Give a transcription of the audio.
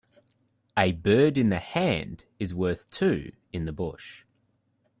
A bird in the hand is worth two in the bush.